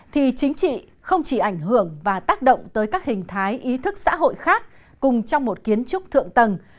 thì chính trị không chỉ ảnh hưởng và tác động tới các hình thái ý thức xã hội khác cùng trong một kiến trúc thượng tầng